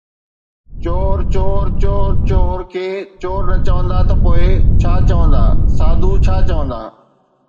چور، چور، چور، چور کي چور نه چوندا ته پوءِ ڇا چوندا، ساڌو ڇا چوندا؟